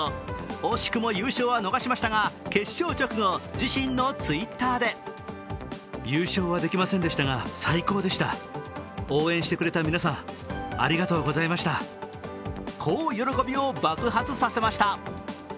惜しくも優勝は逃しましたが決勝直後、自身のＴｗｉｔｔｅｒでこう喜びを爆発させました。